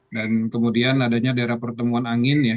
dan kemudian adanya daerah pertemuan angin ya